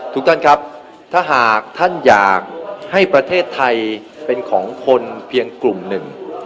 ทุกท่านครับถ้าหากท่านอยากให้ประเทศไทยเป็นของคนเพียงกลุ่มหนึ่ง